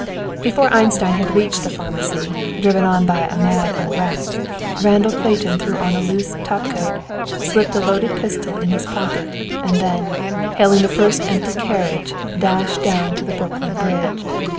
Before Einstein had reached the pharmacy, driven on by a mad unrest, Randall Clayton threw on a loose top coat, slipped a loaded pistol in his pocket, and then, hailing the first empty carriage, dashed down to the Brooklyn Bridge.